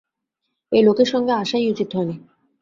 এই লোকের সঙ্গে আসাই উচিত হয় নি।